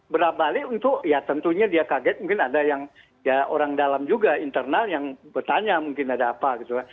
berakbalik untuk ya tentunya dia kaget mungkin ada yang ya orang dalam juga internal yang bertanya mungkin ada apa gitu kan